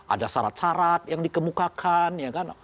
ada syarat syarat yang dikemukakan ya kan